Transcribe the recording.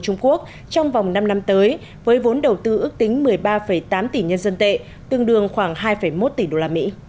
trung quốc trong vòng năm năm tới với vốn đầu tư ước tính một mươi ba tám tỷ nhân dân tệ tương đương khoảng hai một tỷ usd